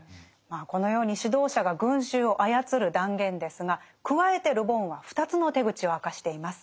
このように指導者が群衆を操る断言ですが加えてル・ボンは２つの手口を明かしています。